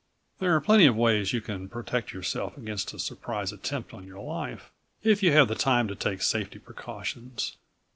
There are plenty of ways you can protect yourself against a surprise attempt on your life, if you have the time to take safety precautions.